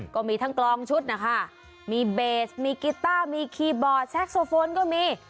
ก็มีทั้งกลองชุดนะคะมีเบสมีกีต้ามีคีย์บอร์ดแซ็กโซโฟนก็มี